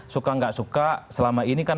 suka nggak suka selama ini kan